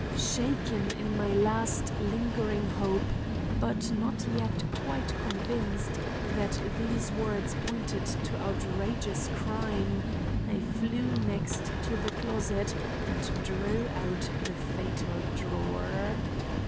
Shaken in my last lingering hope, but not yet quite convinced that these words pointed to outrageous crime, I flew next to the closet and drew out the fatal drawer.